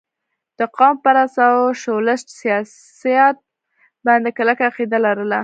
د قوم پرست او سوشلسټ سياست باندې کلکه عقيده لرله